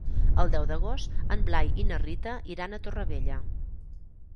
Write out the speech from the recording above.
El deu d'agost en Blai i na Rita iran a Torrevella.